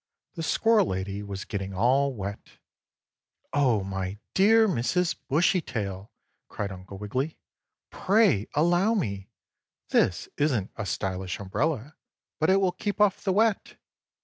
The squirrel lady was getting all wet. "Oh, my dear Mrs. Bushytail!" cried Uncle Wiggily. "Pray allow me! This isn't a stylish umbrella, but it will keep off the wet."